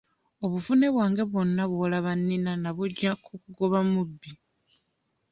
Obuvune bwange bwonna bw'olaba nnina nabuggya ku kugoba mubbi.